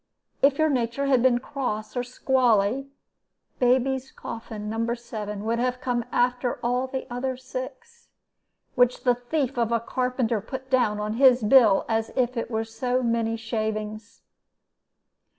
If your nature had been cross or squally, 'baby's coffin No. 7' would have come after all the other six, which the thief of a carpenter put down on his bill as if it was so many shavings.